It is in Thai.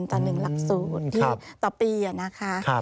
ตอนหนึ่งหลักสูตรต่อปีนะคะ